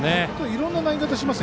いろんな投げ方をしてます。